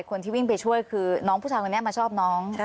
คนที่วิ่งไปช่วยคือน้องผู้ชายคนนี้มาชอบน้อง